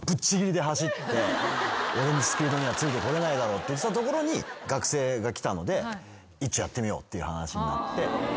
「俺のスピードにはついてこれないだろ」って言ってたところに学生が来たのでいっちょやってみようっていう話になって。